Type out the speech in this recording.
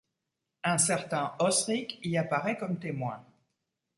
Un certain Osric y apparaît comme témoin.